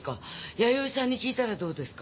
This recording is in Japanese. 弥生さんに聞いたらどうですか？